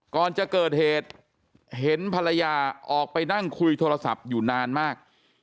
ก่อนจะเกิดเหตุเห็นภรรยาออกไปนั่งคุยโทรศัพท์อยู่นานมาก